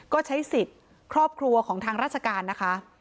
ก็ใช้สิทธิ์ครอบครัวของทางราชการนะคะ